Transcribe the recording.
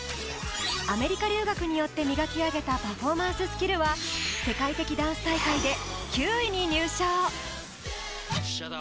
アメリカ留学によって磨き上げたパフォーマンススキルは世界的ダンス大会で９位に入賞。